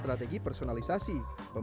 itu harus cepat